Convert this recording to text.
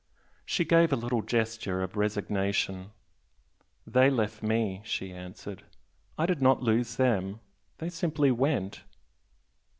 She gave a little gesture of resignation. "They left me" she answered "I did not lose them. They simply went."